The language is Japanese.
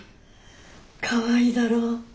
かわいいだろ？